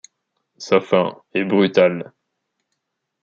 Sa fin est brutale.